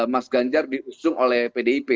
mas ganjar diusung oleh pdip